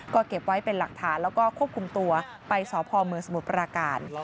ก็เก็บไว้เป็นหลักฐานแล้วก็ควบคุมตัวไปสพเมืองสมุทรปราการ